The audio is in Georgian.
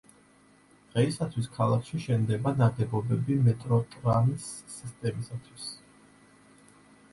დღეისათვის ქალაქში შენდება ნაგებობები მეტროტრამის სისტემისათვის.